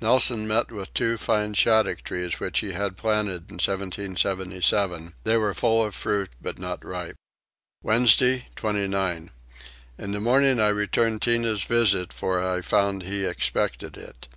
Nelson met with two fine shaddock trees which he had planted in 1777: they were full of fruit but not ripe. Wednesday 29. In the morning I returned Tinah's visit for I found he expected it.